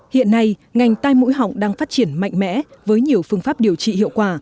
hiện nay ngành tai mũi họng đang phát triển mạnh mẽ với nhiều phương pháp điều trị hiệu quả